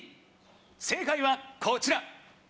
正解はこちら。